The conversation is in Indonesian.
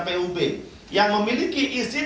pub yang memiliki izin